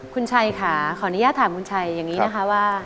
คุณชัยค่ะขออนุญาตถามคุณชัยอย่างนี้นะคะว่า